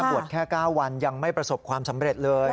แค่๙วันยังไม่ประสบความสำเร็จเลย